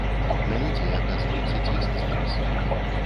На людзей аказваецца ціск зараз.